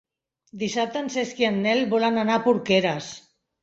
Dissabte en Cesc i en Nel volen anar a Porqueres.